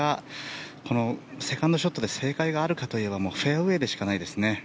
セカンドショットで正解があるかといえばフェアウェーでしかないですね。